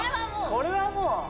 これはもう！